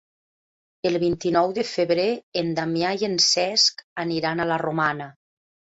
El vint-i-nou de febrer en Damià i en Cesc aniran a la Romana.